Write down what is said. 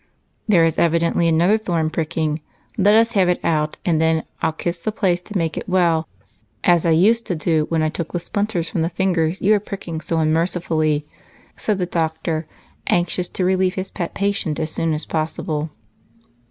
"There is evidently another thorn pricking. Let us have it out, and then I'll kiss the place to make it well as I used to do when I took the splinters from the fingers you are pricking so unmercifully," said the doctor, anxious to relieve his pet patient as soon as possible.